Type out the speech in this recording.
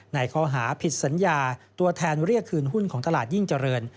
ในข้อหาผิดสัญญาตัวแทนเรียกคืนหุ้นของตลาดยิ่งเจริญ